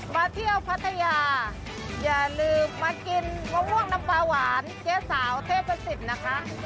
มาเที่ยวพัทยาอย่าลืมมากินมะม่วงน้ำปลาหวานเจ๊สาวเทพศิษย์นะคะ